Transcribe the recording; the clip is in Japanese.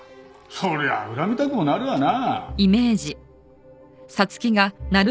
そりゃあ恨みたくもなるわな。